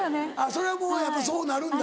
それはもうそうなるんだ？